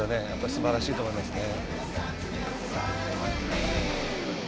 すばらしいと思いますね。